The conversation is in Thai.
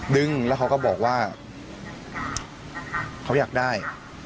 ดึงแล้วเขาก็บอกว่าเขาอยากได้